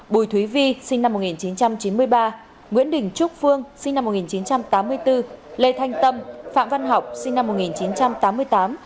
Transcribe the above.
bùi thúy vi sinh năm một nghìn chín trăm chín mươi ba nguyễn đình trúc phương sinh năm một nghìn chín trăm tám mươi bốn lê thanh tâm phạm văn học sinh năm một nghìn chín trăm tám mươi tám